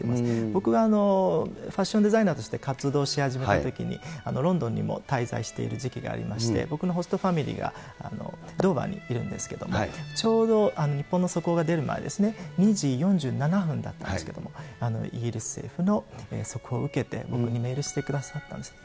僕はファッションデザイナーとして活動し始めたときに、ロンドンにも滞在している時期がありまして、僕のホストファミリーが、ドーバーにいるんですけれども、ちょうど日本の速報が出る前、２時４７分だったんですけれども、イギリス政府の速報を受けて、僕にメールしてくださったんです。